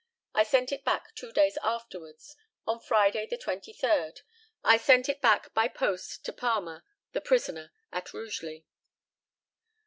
I sent it back two days afterwards on Friday, the 23rd. I sent it back by post to Palmer, the prisoner, at Rugeley.